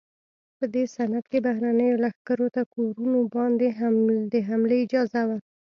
په دې سند کې بهرنیو لښکرو ته کورونو باندې د حملې اجازه وه.